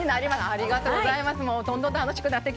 ありがとうございます。